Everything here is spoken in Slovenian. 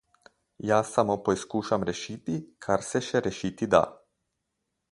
Jaz samo poizkušam rešiti kar se še rešiti da.